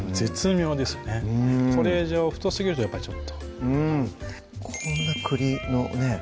これ以上太すぎるとやっぱりちょっとうんこんな栗のね